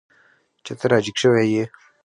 چې ته را جګ شوی یې.